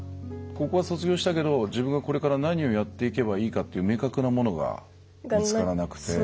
高校卒業したけど自分がこれから何をやっていけばいいのかって明確なものが見つからなくて？